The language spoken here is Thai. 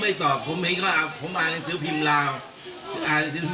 ที่เราสมมุติกับทางเขาเรื่องโตตีอะไรอย่างนี้ครับอะไรนะ